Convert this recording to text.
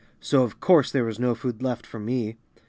So of course there was no food left for me.